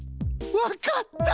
わかった！